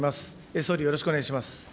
総理、よろしくお願いします。